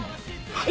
はい。